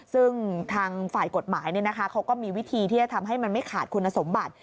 ซึ่งทางฝ่ายกฎหมายเขาก็มีวิธีที่จะทำให้มันไม่ขาดคุณสมบัติ